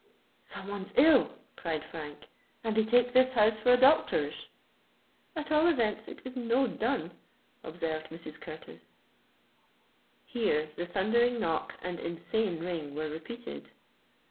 "Some one's ill," cried Frank, "and they take this house for a Doctor's." "At all events it is no dun," observed Mrs. Curtis. Here the thundering knock and insane ring were repeated.